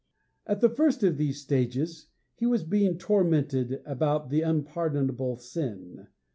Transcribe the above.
At the first of these stages he was being tormented about the unpardonable sin.